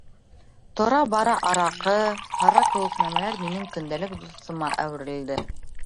Тора-бара араҡы, һыра кеүек нәмәләр минең көндәлек дуҫыма әүерелде.